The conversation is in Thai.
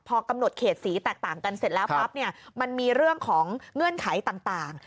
พอกำหนดเขตสีแตกต่างกันเสร็จแล้วปั๊บเนี่ยมันมีเรื่องของเงื่อนไขต่าง